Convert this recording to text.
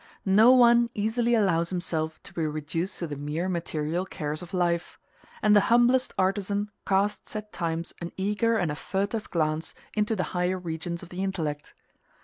No one easily allows himself to be reduced to the mere material cares of life; and the humblest artisan casts at times an eager and a furtive glance into the higher regions of the intellect.